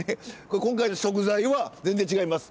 今回の食材は全然違います。